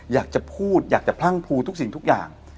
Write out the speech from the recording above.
อยากจะพูดอยากจะพรั่งพลูทุกสิ่งทุกอย่าง